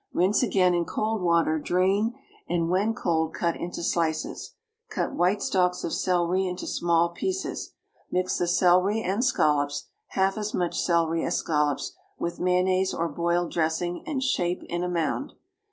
Rinse again in cold water, drain, and when cold cut into slices. Cut white stalks of celery into small pieces. Mix the celery and scallops half as much celery as scallops with mayonnaise or boiled dressing, and shape in a mound.